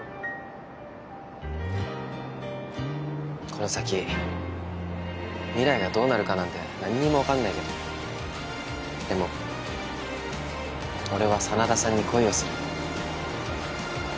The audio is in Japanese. この先未来がどうなるかなんてなんにもわからないけどでも俺は真田さんに恋をする。